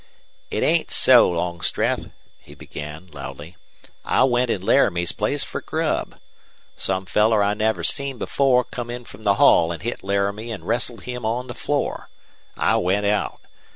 "It ain't so, Longstreth," he began, loudly. "I went in Laramie's place fer grub. Some feller I never seen before come in from the hall an' hit Laramie an' wrestled him on the floor. I went out.